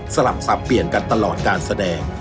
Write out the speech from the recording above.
สลับสับเปลี่ยนกันตลอดการแสดง